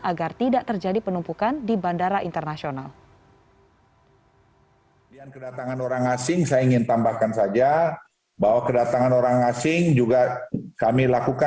agar tidak terjadi penumpukan di bandara internasional